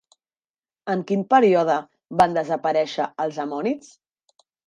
En quin període van desaparèixer els ammonits?